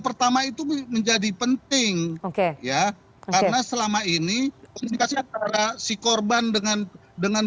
pertama itu menjadi penting oke ya karena selama ini komunikasi antara si korban dengan dengan